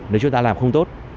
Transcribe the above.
nếu chúng ta làm không tốt